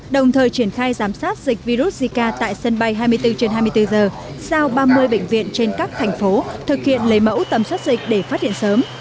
đồng thời triển khai giám sát dịch virus zika tại sân bay hai mươi bốn trên hai mươi bốn giờ sao ba mươi bệnh viện trên các thành phố thực hiện lấy mẫu tầm soát dịch để phát hiện sớm